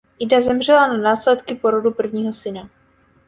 Ida zemřela na následky porodu prvního syna.